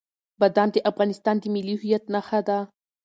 بادام د افغانستان د ملي هویت نښه ده.